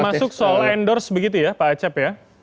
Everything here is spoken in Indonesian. termasuk soal endorse begitu ya pak acep ya